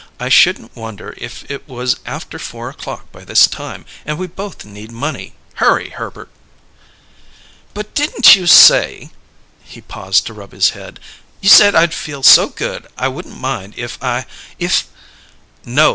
"I shouldn't wonder it was after four o'clock by this time, and we both need money. Hurry, Herbert!" "But didn't you say " He paused to rub his head. "You said I'd feel so good I wouldn't mind if I if " "No.